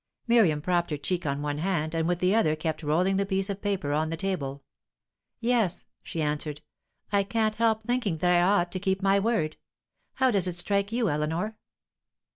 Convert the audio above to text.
Miriam propped her cheek on one hand, and with the other kept rolling the piece of paper on the table. "Yes," she answered, "I can't help thinking that I ought to keep my word. How does it strike you, Eleanor?"